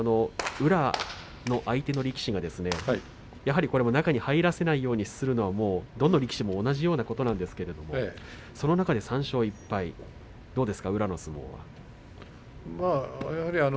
宇良は、相手の力士ら中に入らせないようにするのはどの力士も同じようなことなんですけれど、その中で３勝１敗です。